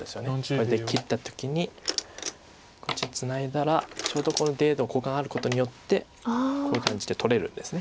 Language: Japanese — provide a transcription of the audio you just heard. これで切った時にこっちツナいだらちょうどこの出の交換あることによってこういう感じで取れるんです。